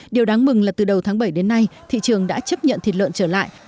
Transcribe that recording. điều đáng mừng là từ đầu tháng bảy đến nay thị trường đã chấp nhận thịt lợn trở lại